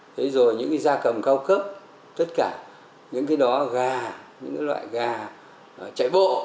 thế rồi những gia cầm cao cấp tất cả những cái đó gà những loại gà chạy bộ